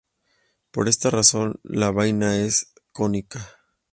Por esta razón la vaina es cónica.